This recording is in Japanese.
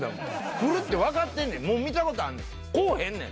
来るって分かってんねん、もう見たことあんねん。